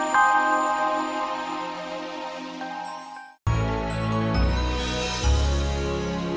sampai jumpa lagi